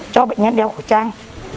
cho bệnh nhân đeo khẩu trang